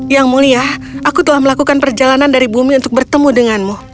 yang mulia aku telah melakukan perjalanan dari bumi untuk bertemu denganmu